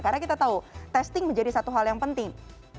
karena kita tahu testing menjadi satu hal yang penting